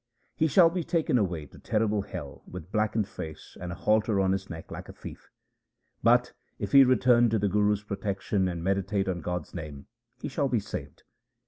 He shall be taken away to terrible hell with blackened face and a halter on his neck like a thief ; But, if he return to the Guru's protection and meditate on God's name, he shall be saved.